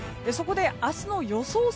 そこで明日の予想